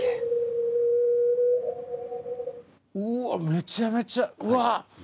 めちゃめちゃうわ。